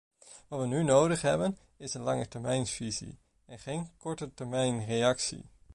Wat we nu nodig hebben, is langetermijnvisie, en geen kortetermijnreactie.